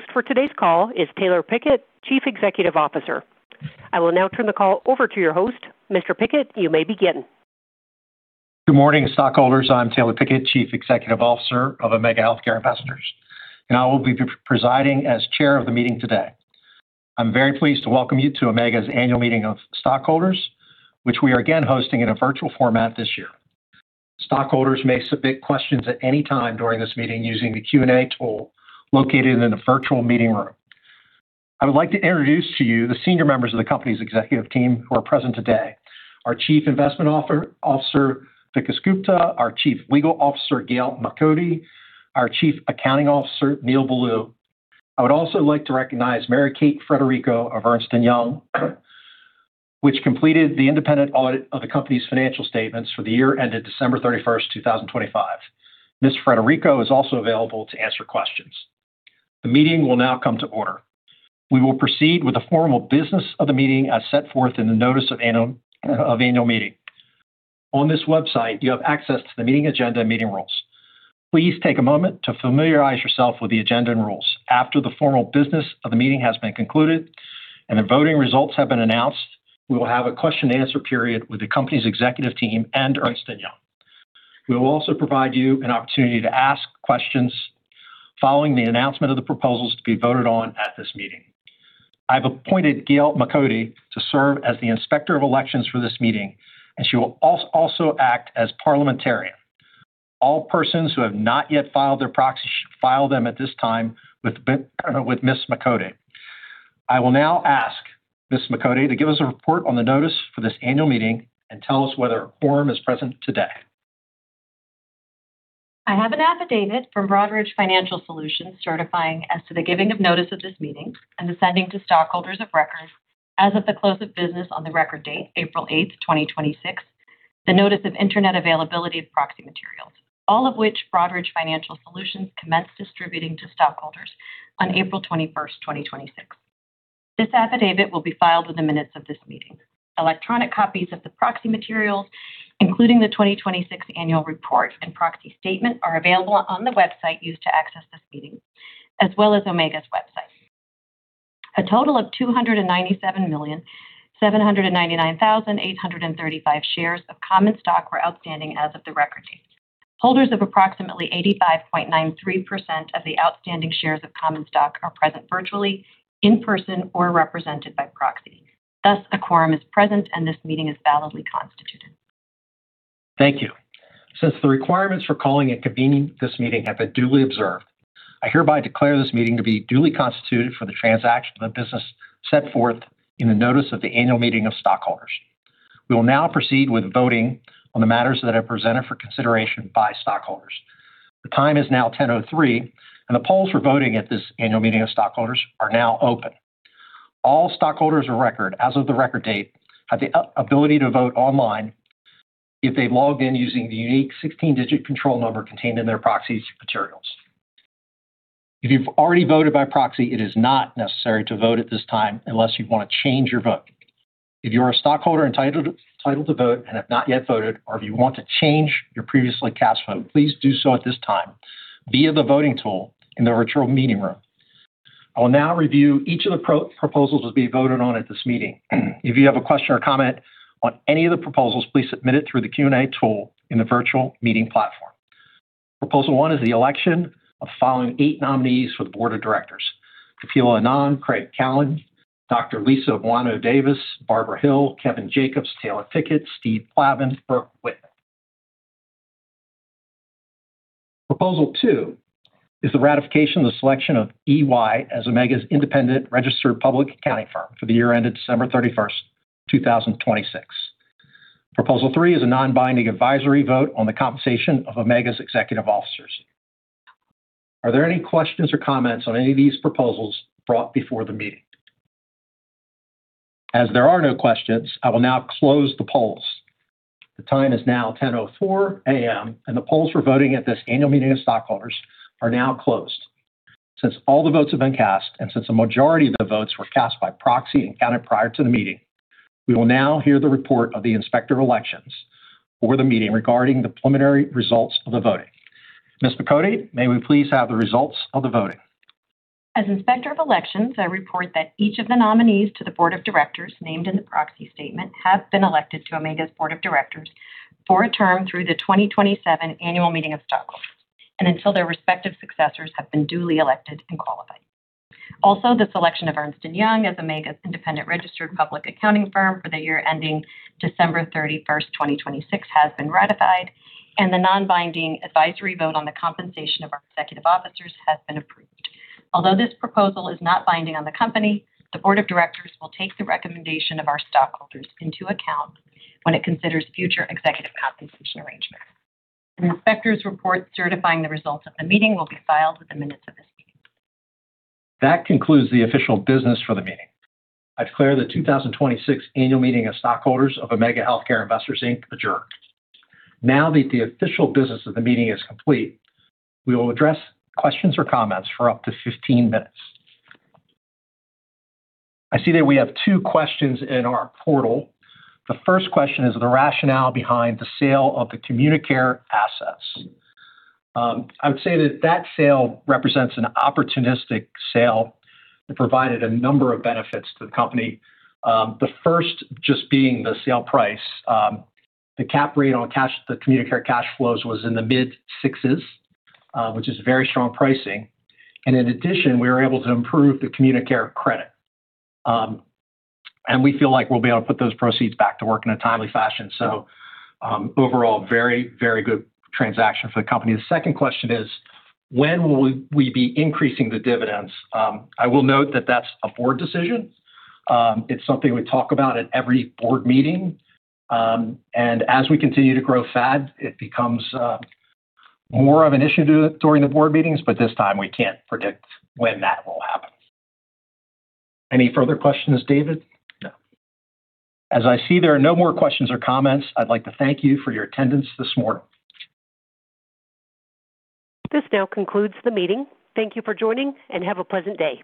Host for today's call is Taylor Pickett, Chief Executive Officer. I will now turn the call over to your host. Mr. Pickett, you may begin. Good morning, stockholders. I'm Taylor Pickett, Chief Executive Officer of Omega Healthcare Investors. I will be presiding as chair of the meeting today. I'm very pleased to welcome you to Omega's annual meeting of stockholders, which we are again hosting in a virtual format this year. Stockholders may submit questions at any time during this meeting using the Q&A tool located in the virtual meeting room. I would like to introduce to you the senior members of the company's executive team who are present today. Our Chief Investment Officer, Vikas Gupta, our Chief Legal Officer, Gail Makode, our Chief Accounting Officer, Neil Bellew. I would also like to recognize Mary-Kate Frederico of Ernst & Young, which completed the independent audit of the company's financial statements for the year ended December 31st, 2025. Ms. Frederico is also available to answer questions. The meeting will now come to order. We will proceed with the formal business of the meeting as set forth in the notice of annual meeting. On this website, you have access to the meeting agenda and meeting rules. Please take a moment to familiarize yourself with the agenda and rules. After the formal business of the meeting has been concluded and the voting results have been announced, we will have a question and answer period with the company's executive team and Ernst & Young. We will also provide you an opportunity to ask questions following the announcement of the proposals to be voted on at this meeting. I've appointed Gail Makode to serve as the Inspector of Elections for this meeting. She will also act as parliamentarian. All persons who have not yet filed their proxy should file them at this time with Ms. Makode. I will now ask Ms. Makode to give us a report on the notice for this annual meeting and tell us whether a quorum is present today. I have an affidavit from Broadridge Financial Solutions certifying as to the giving of notice of this meeting and the sending to stockholders of record as of the close of business on the record date, April 8, 2026, the notice of Internet availability of proxy materials. All of which Broadridge Financial Solutions commenced distributing to stockholders on April 21, 2026. This affidavit will be filed with the minutes of this meeting. Electronic copies of the proxy materials, including the 2026 annual report and proxy statement, are available on the website used to access this meeting, as well as Omega's website. A total of 297,799,835 shares of common stock were outstanding as of the record date. Holders of approximately 85.93% of the outstanding shares of common stock are present virtually, in person, or represented by proxy. Thus, a quorum is present, and this meeting is validly constituted. Thank you. Since the requirements for calling and convening this meeting have been duly observed, I hereby declare this meeting to be duly constituted for the transaction of the business set forth in the notice of the annual meeting of stockholders. We will now proceed with voting on the matters that are presented for consideration by stockholders. The time is now 10:03 A.M., and the polls for voting at this annual meeting of stockholders are now open. All stockholders of record as of the record date have the ability to vote online if they've logged in using the unique 16-digit control number contained in their proxy materials. If you've already voted by proxy, it is not necessary to vote at this time unless you want to change your vote. If you are a stockholder entitled to vote and have not yet voted, or if you want to change your previously cast vote, please do so at this time via the voting tool in the virtual meeting room. I will now review each of the proposals to be voted on at this meeting. If you have a question or comment on any of the proposals, please submit it through the Q&A tool in the virtual meeting platform. Proposal one is the election of following eight nominees for the Board of Directors: Kapila Anand, Craig Callen, Dr. Lisa Egbuonu-Davis, Barbara Hill, Kevin Jacobs, Taylor Pickett, Stephen Plavin, Burke Whitman. Proposal two is the ratification of the selection of EY as Omega's independent registered public accounting firm for the year ended December 31, 2026. Proposal three is a non-binding advisory vote on the compensation of Omega's executive officers. Are there any questions or comments on any of these proposals brought before the meeting? As there are no questions, I will now close the polls. The time is now 10:04 A.M., and the polls for voting at this annual meeting of stockholders are now closed. Since all the votes have been cast, and since a majority of the votes were cast by proxy and counted prior to the meeting, we will now hear the report of the Inspector of Elections for the meeting regarding the preliminary results of the voting. Ms. Makode, may we please have the results of the voting? As Inspector of Elections, I report that each of the nominees to the board of directors named in the proxy statement have been elected to Omega's board of directors for a term through the 2027 annual meeting of stockholders, and until their respective successors have been duly elected and qualified. Also, the selection of Ernst & Young as Omega's independent registered public accounting firm for the year ending December 31, 2026 has been ratified, and the non-binding advisory vote on the compensation of our executive officers has been approved. Although this proposal is not binding on the company, the board of directors will take the recommendation of our stockholders into account when it considers future executive compensation arrangements. An Inspector's report certifying the results of the meeting will be filed with the minutes of this meeting. That concludes the official business for the meeting. I declare the 2026 annual meeting of stockholders of Omega Healthcare Investors, Inc. adjourned. Now that the official business of the meeting is complete, we will address questions or comments for up to 15 minutes. I see that we have two questions in our portal. The first question is the rationale behind the sale of the Communicare assets. I would say that that sale represents an opportunistic sale that provided a number of benefits to the company. The first just being the sale price. The cap rate on the Communicare cash flows was in the mid-sixes, which is very strong pricing. In addition, we were able to improve the Communicare credit. We feel like we'll be able to put those proceeds back to work in a timely fashion. Overall, very good transaction for the company. The second question is, when will we be increasing the dividends? I will note that that's a board decision. It's something we talk about at every board meeting. As we continue to grow FAD, it becomes more of an issue during the board meetings, this time we can't predict when that will happen. Any further questions, David? No. As I see there are no more questions or comments, I'd like to thank you for your attendance this morning. This now concludes the meeting. Thank you for joining, and have a pleasant day.